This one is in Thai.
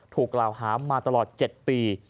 ถูกกล่าวหามาตลอด๗ปี